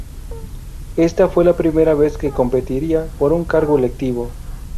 Esta fue la primera vez que competiría por un cargo electivo.